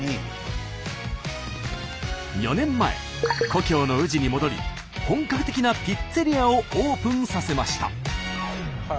４年前故郷の宇治に戻り本格的なピッツェリアをオープンさせました。